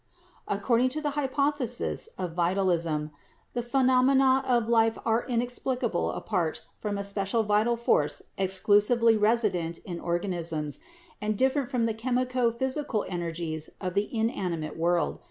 "According to the hypothesis of vitalism the phenomena of life are inexplicable apart from a special vital force exclusively resident in organisms, and different from the chemico physical energies of the inanimate world.